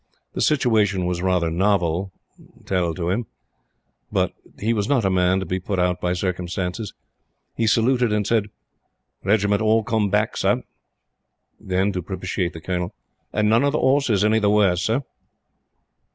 The situation was rather novel tell to him; but he was not a man to be put out by circumstances. He saluted and said: "Regiment all come back, Sir." Then, to propitiate the Colonel: "An' none of the horses any the worse, Sir."